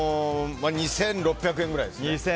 ２６００円くらいですね。